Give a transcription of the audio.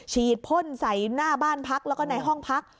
ฉีดพ่นใส่หน้าบ้านพักแล้วก็ในห้องพัก